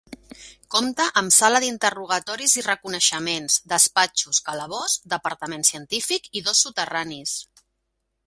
Compta amb sala d'interrogatoris i reconeixements, despatxos, calabós, departament científic i dos soterranis.